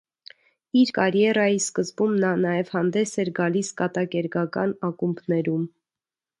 Իր կարիերայի սկզբում նա նաև հանդես էր գալիս կատակերգական ակումբներում։